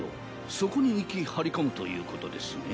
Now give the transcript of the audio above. そこに行き張り込むということですね？